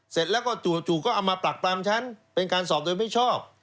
เสร็จแล้วก็จู่ก็เอามาปรักปรำฉันเป็นการสอบโดยไม่ชอบ